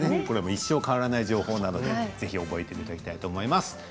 一生変わらない情報なので覚えていただきたいと思います。